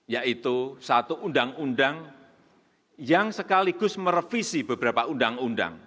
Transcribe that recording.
yaitu satu undang undang yang sekaligus merevisi beberapa undang undang